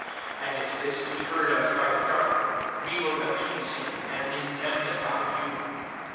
14 And if this be heard of by the governor, we will appease him, and indemnify you."